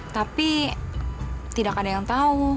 tapi tidak ada yang tahu